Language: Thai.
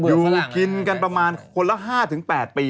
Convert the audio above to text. อยู่กินกันประมาณคนละ๕๘ปี